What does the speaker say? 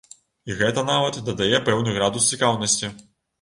І гэта нават дадае пэўны градус цікаўнасці!